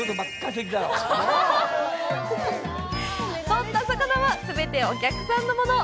取った魚は全てお客さんのもの。